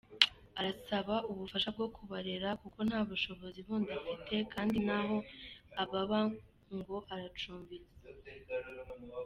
Arasaba ubufasha bwo kubarera kuko nta bushobozi bundi afite kandi naho ababa ngo aracumbitse.